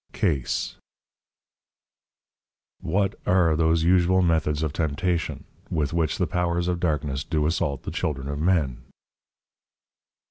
CASE. _What are those Usual +Methods+ of +Temptation+, with which the Powers of Darkness do assault the Children of Men?